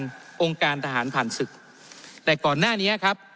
องค์การทหารผ่านศึกแต่ก่อนหน้านี้ครับ